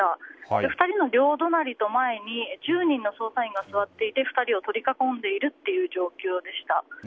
２人の両隣と前に１０人の捜査員が座っていて２人を取り囲んでいる状況でした。